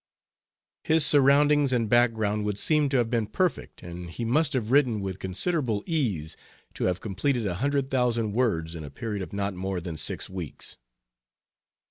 His surroundings and background would seem to have been perfect, and he must have written with considerable ease to have completed a hundred thousand words in a period of not more than six weeks.